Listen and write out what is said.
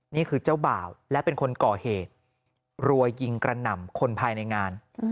นี่คือเจ้าบ่าวและเป็นคนก่อเหตุรัวยิงกระหน่ำคนภายในงาน